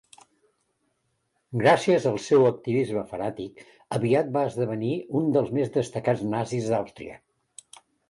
Gràcies al seu activisme fanàtic, aviat va esdevenir un dels més destacats nazis d'Àustria.